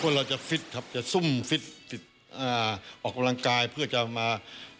เราจะฟิตครับจะซุ่มฟิตติดออกกำลังกายเพื่อจะมา